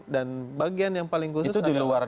dan bagian yang paling khusus adalah